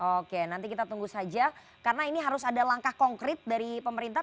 oke nanti kita tunggu saja karena ini harus ada langkah konkret dari pemerintah